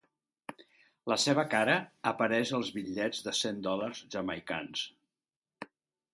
La seva cara apareix als bitllets de cent dòlars jamaicans.